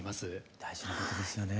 大事なことですよね。